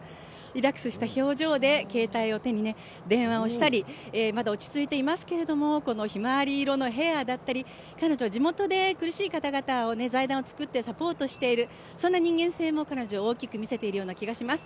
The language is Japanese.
リラックスした表情で携帯を手に電話をしたりまだ落ち着いたりしていますけれども、このひまわり色のヘアーだったり、彼女は地元で苦しい方々に財団を作ってサポートしている、そんな人間性も彼女を大きく見せているような気がします。